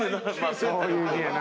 そういう順やな。